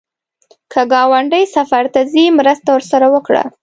که ګاونډی سفر ته ځي، مرسته ورسره وکړه